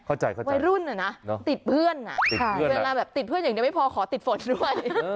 เข้าใจนะติดเพื่อนน่ะติดเพื่อนอย่างเดียวไม่พอขอติดฝนด้วย